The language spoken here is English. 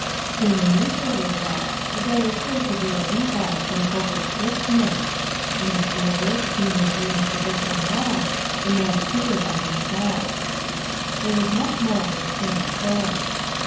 Human nature was such that there was sure to be a rebound from over strictness, and t i XT NEVER MIND, MOMMIE" 17 the clearer, keener brained the victim was, the more fear of results. There was much more of the same sort.